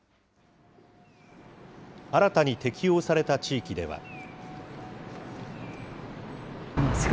新たに適用された地域では。